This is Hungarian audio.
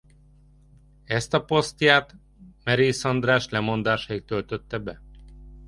Ezt a posztját Merész András lemondásáig töltötte be.